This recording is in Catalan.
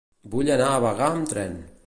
Vull anar a Bagà amb tren.